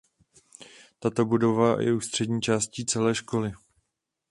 Tato budova je ústřední částí celé školy.